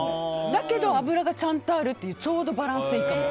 だけど脂がちゃんとあるっていうちょうどバランスいいかも。